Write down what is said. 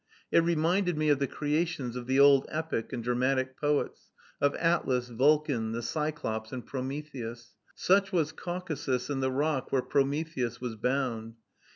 It reminded me of the creations of the old epic and dramatic poets, of Atlas, Vulcan, the Cyclops, and Prometheus. Such was Caucasus and the rock where Prometheus was bound.